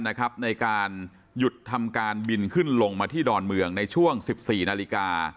ในการหยุดทำการบินขึ้นลงมาที่ดอนเมืองในช่วง๑๔นาฬิกา